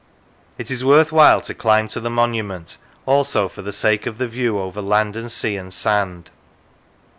It is worth while to climb to the monument also for the sake of the view over land and sea and sand.